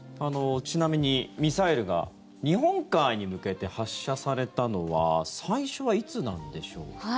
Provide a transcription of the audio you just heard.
ちなみに、ミサイルが日本海に向けて発射されたのは最初はいつなんでしょうか。